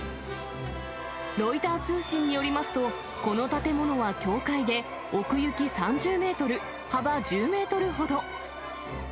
ロイター通信によりますと、この建物は教会で、奥行き３０メートル、幅１０メートルほど。